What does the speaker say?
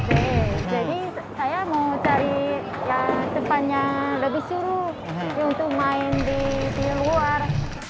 jadi saya mau cari tempat yang lebih seru untuk main di luar